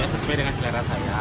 sesuai dengan selera saya